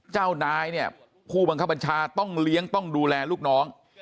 เจ้านายเนี่ยผู้บังคับบัญชาต้องเลี้ยงต้องดูแลลูกน้อง